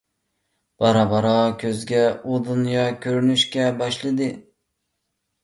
بارا - بارا كۆزىگە ئۇ دۇنيا كۆرۈنۈشكە باشلىدى.